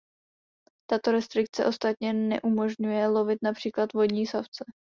Tato restrikce ostatně neumožňuje lovit například vodní savce.